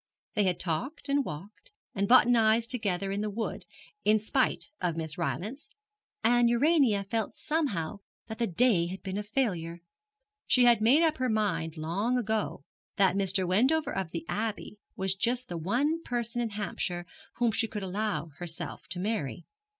They had talked, and walked, and botanized together in the wood, in spite of Miss Rylance; and Urania felt somehow that the day had been a failure. She had made up her mind long ago that Mr. Wendover of the Abbey was just the one person in Hampshire whom she could allow herself to marry.